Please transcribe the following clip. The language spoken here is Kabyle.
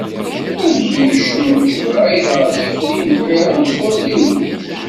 Amek yekcem Ǧebrayel ɣer yifri n Ḥira s wafriwen-is?